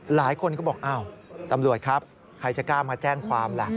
หลายคนก็บอกอ้าวตำรวจครับใครจะกล้ามาแจ้งความล่ะ